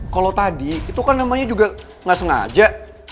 kalo tadi itu kan namanya juga gak sengaja